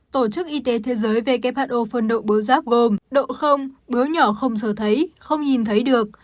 tổ chức y tế thế giới who phân độ bướu giáp gồm độ bướu nhỏ không sờ thấy không nhìn thấy được